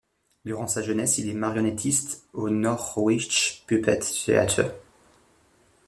Durant sa jeunesse, il est marionnettiste au Norwich Puppet Theatre.